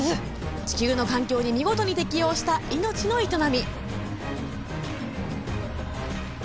地球の環境に見事に適応した命の営み。